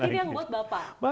ini yang buat bapak